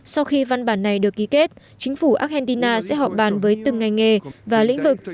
sau khi văn bản này được ký kết chính phủ argentina sẽ họp bàn với từng ngành nghề và lĩnh vực